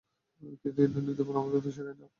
কিন্তু নীতিমালা আমাদের তা শেখায় না।